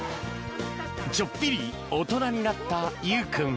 ちょっぴり大人になったゆう君。